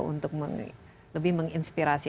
untuk lebih menginspirasi